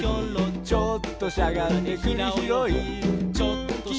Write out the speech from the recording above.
「ちょっとしゃがんでくりひろい」